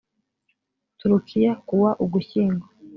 turukiya ku wa ugushyingo